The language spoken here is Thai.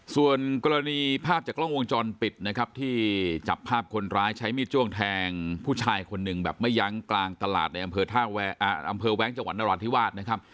ส่วนกรณีภาพจากกล้องวงจรปิดที่จับภาพคนร้ายใช้มิดจ้วงแทงผู้ชายคนนึงแบบไม่ยั้งกลางตลาดในอำเภอแว๊งจังหวันราวัฒน์ที่วาด